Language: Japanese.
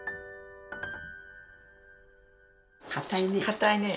かたいね。